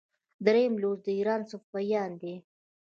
دریم لوست د ایران صفویان دي.